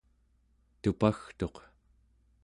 tupagtuq